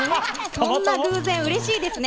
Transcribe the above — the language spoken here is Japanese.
そんな偶然、うれしいですね。